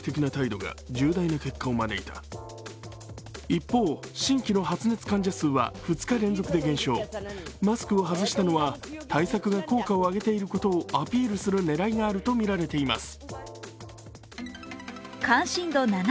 一方、新規の発熱患者数は２日連続で減少マスクを外したのは対策が効果を上げていることをアピールする狙いがあるとみられています。